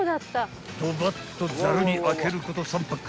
［ドバッとざるにあけること３パック］